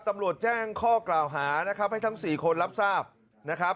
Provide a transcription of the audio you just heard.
ตำรวจแจ้งข้อกล่าวหานะครับให้ทั้ง๔คนรับทราบนะครับ